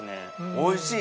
おいしい！